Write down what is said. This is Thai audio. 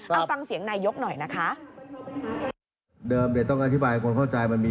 เอาฟังเสียงนายกหน่อยนะคะ